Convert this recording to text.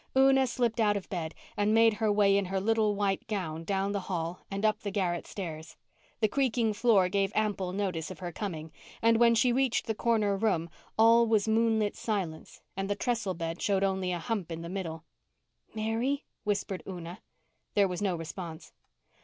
Una slipped out of bed, and made her way in her little white gown down the hall and up the garret stairs. The creaking floor gave ample notice of her coming, and when she reached the corner room all was moonlit silence and the trestle bed showed only a hump in the middle. "Mary," whispered Una. There was no response.